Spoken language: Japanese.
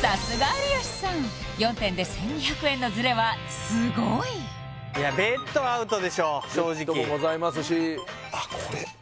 さすが有吉さん４点で１２００円のズレはすごいベッドもございますし・あっ